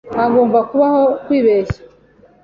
Hagomba kubaho kwibeshya.